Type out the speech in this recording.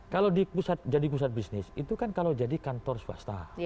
kalau jadi pusat bisnis itu kan kalau jadi kantor swasta